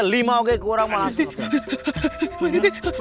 lima oke kurang mah langsung